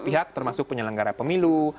pihak termasuk penyelenggara pemilu